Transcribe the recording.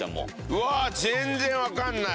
うわ全然分かんない！